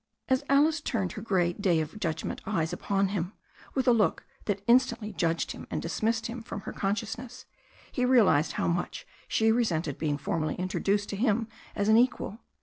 As Alice turned her grey, day of judgment eyes upon him, with a look that instantly judged him and dismissed him from her consciousness, he realized how much she resented being formally introduced to him as to an equal.